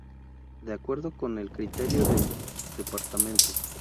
De acuerdo con el criterio del Dto.